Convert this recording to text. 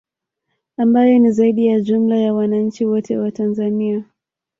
Ambayo ni zaidi ya jumla ya wananchi wote wa Tanzania